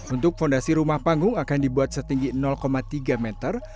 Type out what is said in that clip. untuk fondasi rumah panggung akan dibuat setinggi tiga meter